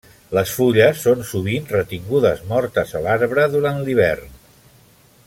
Les fulles són sovint retingudes mortes a l'arbre durant l'hivern.